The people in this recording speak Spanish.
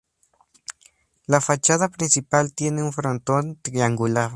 La fachada principal tiene un frontón triangular.